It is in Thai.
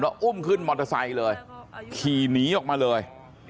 อุ้มขึ้นมอเตอร์ไซค์เลยขี่หนีออกมาเลย